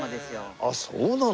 あっそうなの？